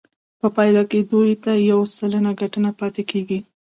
په پایله کې دوی ته یو سلنه ګټه پاتې کېږي